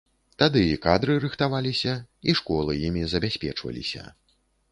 Тады і кадры рыхтаваліся, і школы імі забяспечваліся.